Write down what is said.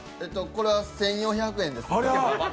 これは１４００円です。